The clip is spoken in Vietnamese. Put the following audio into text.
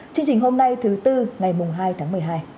chương trình hôm nay thứ tư ngày hai tháng một mươi hai